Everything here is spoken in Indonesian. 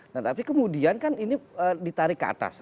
nah tapi kemudian kan ini ditarik ke atas